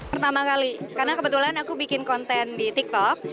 pertama kali karena kebetulan aku bikin konten di tiktok